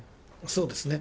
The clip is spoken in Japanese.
そうですね。